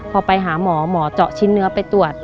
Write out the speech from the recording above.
พอไปหาหมอหมอเจาะชิ้นเนื้อไปตรวจ